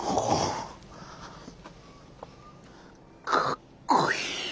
かっこいい！